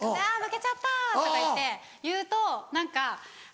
「あ負けちゃった」とかいって言うと何か。